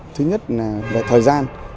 thứ nhất là thời gian